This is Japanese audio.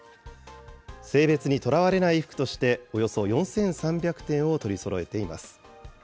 性別にとらわれない衣服として、およそ４３００点を取りそろえています。